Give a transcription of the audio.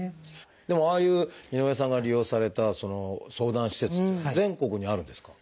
でもああいう井上さんが利用された相談施設っていうのは全国にあるんですか？